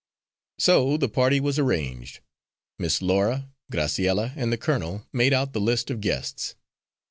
So the party was arranged. Miss Laura, Graciella and the colonel made out the list of guests.